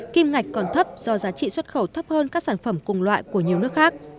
kim ngạch còn thấp do giá trị xuất khẩu thấp hơn các sản phẩm cùng loại của nhiều nước khác